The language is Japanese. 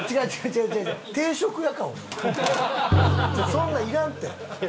そんないらんって。